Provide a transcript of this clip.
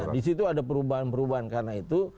disitu ada perubahan perubahan karena itu